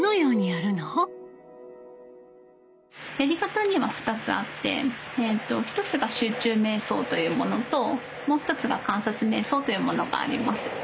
やり方には２つあって１つが集中瞑想というものともう一つが観察瞑想というものがあります。